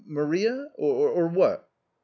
Maria, or what ?